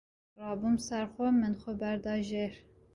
rabûm ser xwe, min xwe berda jêr